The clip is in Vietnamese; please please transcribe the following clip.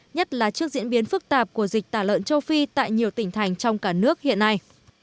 nhất là trước diễn biến phức tạp của dịch tả lợn châu phi tại nhiều tỉnh thành trong cả nước hiện nay